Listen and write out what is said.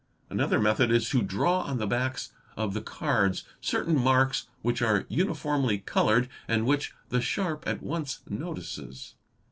Another method is to draw on the backs of the cards certain marks which are uniformly coloured and which the sharp at once notices.